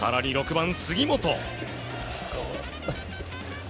更に６番、杉本。